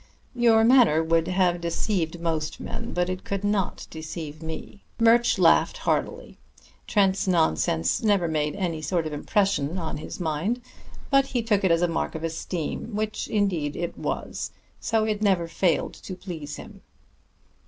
Your manner would have deceived most men, but it could not deceive me." Mr. Murch laughed heartily. Trent's nonsense never made any sort of impression on his mind, but he took it as a mark of esteem, which indeed it was; so it never failed to please him.